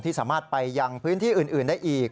สามารถไปยังพื้นที่อื่นได้อีก